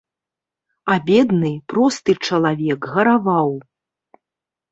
А бедны, просты чалавек гараваў.